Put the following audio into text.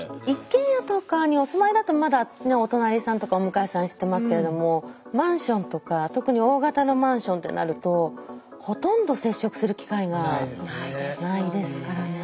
一軒家とかにお住まいだとまだねお隣さんとかお向かいさん知ってますけれどもマンションとか特に大型のマンションってなるとほとんど接触する機会がないですからね。